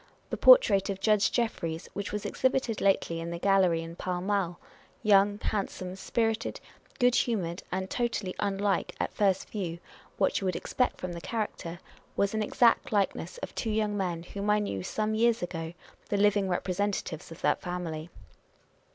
The portrait of Judge Jeffries, which was exhibited lately in the Gallery in Pall Mall â€" young, handsome, spirited, good humoured, and totally unlike, at first view, what you would expect from the character â€" was an exact likeness of two young men whom I knew some years ago, the living representatives of that family.